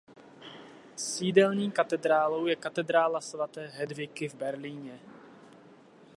Sídelní katedrálou je Katedrála svaté Hedviky v Berlíně.